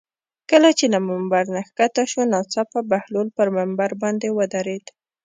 کله چې له ممبر نه ښکته شو ناڅاپه بهلول پر ممبر باندې ودرېد.